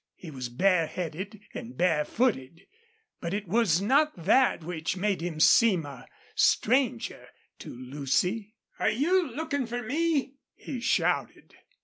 He was bareheaded and barefooted, but it was not that which made him seem a stranger to Lucy. "Are you lookin' fer me?" he shouted.